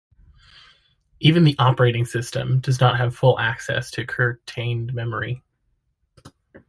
Even the operating system does not have full access to curtained memory.